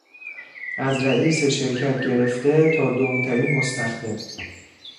از رئیس شرکت گرفته تا دونترین مستخدم...